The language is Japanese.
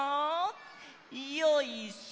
よいしょ！